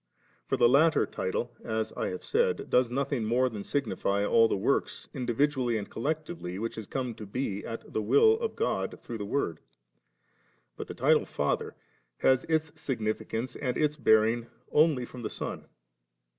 For the latter title, as I have said, does nothing more than signify all the works, individually and collec tively, which have come to be at the will of God through the Word ; but the title Father has its significance and its bearing only from the Son.